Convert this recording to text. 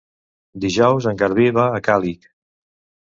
Dijous en Garbí va a Càlig.